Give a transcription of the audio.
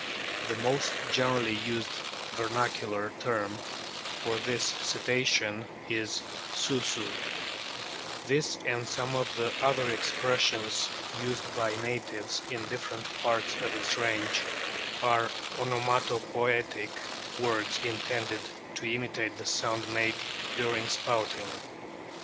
The most generally used vernacular term for this Cetacean is Susu ; this and some of the other expressions used by natives in different parts of its range are onomatopoetic words intended to imitate the sound made during spouting.